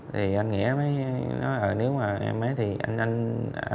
thì anh nghĩa mới nói ờ nếu mà em mới thì anh nghĩa